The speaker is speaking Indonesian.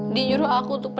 jangan bersengsa buat pakaian